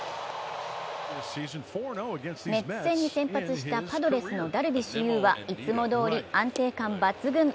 メッツ戦に先発したパドレスのダルビッシュ有はいつもどおり安定感抜群！